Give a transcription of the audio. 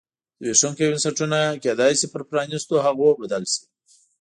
زبېښونکي بنسټونه کېدای شي پر پرانیستو هغو بدل شي.